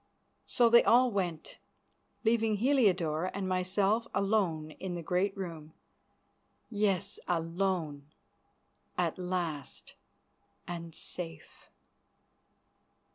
So they all went, leaving Heliodore and myself alone in the great room, yes, alone at last and safe.